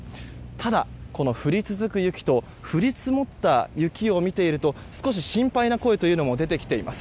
ただ、降り続く雪と降り積もった雪を見ていると少し心配な声というのも出てきています。